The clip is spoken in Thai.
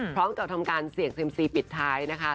พร้อมกับทำการเสี่ยงเซ็มซีปิดท้ายนะคะ